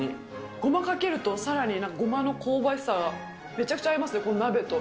ごまかけると、さらになんか、ごまの香ばしさが、めちゃくちゃ合いますね、この鍋と。